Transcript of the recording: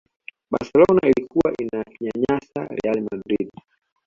barcelona ilikuwa inainyanyasa real madrid